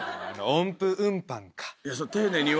音符運搬。